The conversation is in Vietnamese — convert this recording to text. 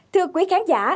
thưa quý khán giả